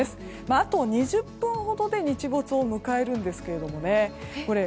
あと２０分ほどで日没を迎えるんですけど。